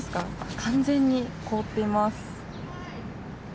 完全に凍っています。